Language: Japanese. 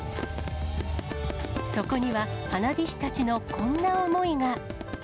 そこには花火師たちのこんな思いが。